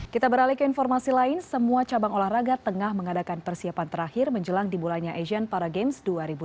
kita beralih ke informasi lain semua cabang olahraga tengah mengadakan persiapan terakhir menjelang di bulannya asian para games dua ribu delapan belas